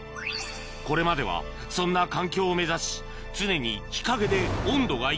これまではそんな環境を目指し